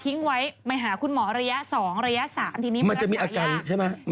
ทีนี้มีระต่ออยากมันจะมีอากาศใช่ไหม